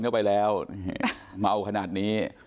นั้นมาเอาเหล็กแม่ด้วย